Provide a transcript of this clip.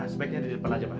sebaiknya di depan aja pak